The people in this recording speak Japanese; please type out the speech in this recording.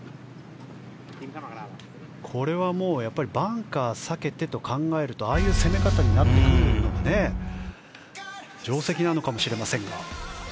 これはもうバンカーを避けてと考えるとああいう攻め方になってくるのが定石なのかもしれませんが。